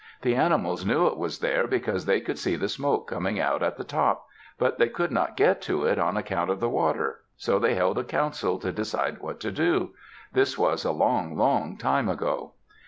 The animals knew it was there because they could see the smoke coming out at the top, but they could not get to it on account of the water, so they held a council to decide what to do. This was a long, long time ago.